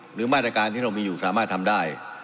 หรือมาตรการที่เรามีอยู่สามารถทำได้